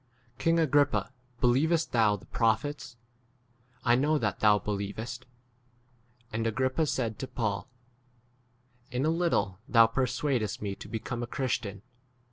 King Agrippa, believest thou the prophets ? I know that 28 thou believest. And Agrippa [said] to Paul, In a little thou persuadest 29 me to become a christian.